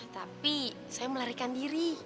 tapi saya melarikan diri